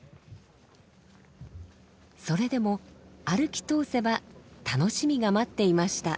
それでも歩き通せば楽しみが待っていました。